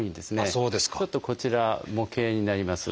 ちょっとこちら模型になります。